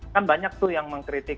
kan banyak tuh yang mengkritik